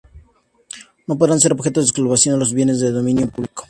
No podrán ser objeto de expropiación los bienes de dominio público.